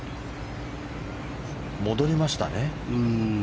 戻りましたね。